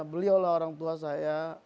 beliau lah orang tua saya